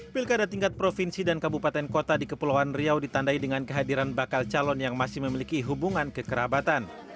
pilkada tingkat provinsi dan kabupaten kota di kepulauan riau ditandai dengan kehadiran bakal calon yang masih memiliki hubungan kekerabatan